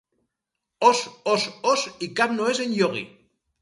Os, Os, Os i cap no és en Iogui.